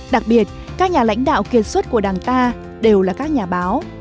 đặc biệt các nhà lãnh đạo kiên suất của đảng ta đều là các nhà báo